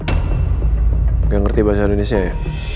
nggak ngerti bahasa indonesia ya